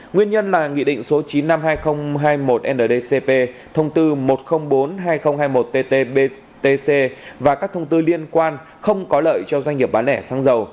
nguyên nhân là nghị định số chín trăm năm mươi hai nghìn hai mươi một thông tư một triệu bốn mươi hai nghìn hai mươi một và các thông tư liên quan không có lợi cho doanh nghiệp bán nẻ xăng dầu